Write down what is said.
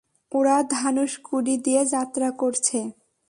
ওরা ধানুষকুডি দিয়ে যাত্রা করছে।